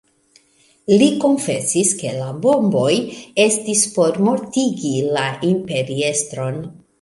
Li konfesis, ke la bomboj estis por mortigi la imperiestron.